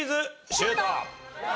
シュート！